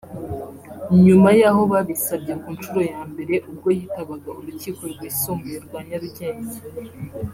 nyuma y’aho babisabye ku nshuro ya mbere ubwo yitabaga Urukiko rwisumbuye rwa Nyarugenge